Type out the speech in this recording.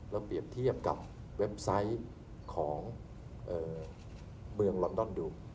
เปรียบเทียบกับเว็บไซต์ของเมืองลอนดอนดู